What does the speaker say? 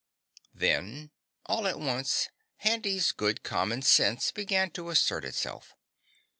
Then all at once Handy's good common sense began to assert itself.